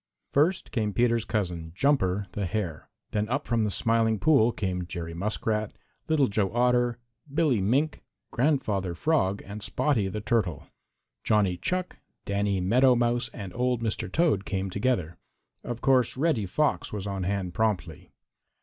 First came Peter's cousin, Jumper the Hare. Then up from the Smiling Pool came Jerry Muskrat, Little Joe Otter, Billy Mink, Grandfather Frog and Spotty the Turtle. Johnny Chuck, Danny Meadow Mouse, and old Mr. Toad came together. Of course Reddy Fox was on hand promptly.